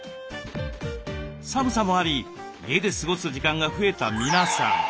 寒さもあり家で過ごす時間が増えた皆さん。